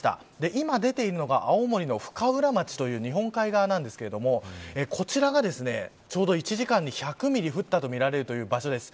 今出ているのが青森の深浦町という日本海側なんですがこちらが、ちょうど１時間に１００ミリ降ったとみられるという場所です。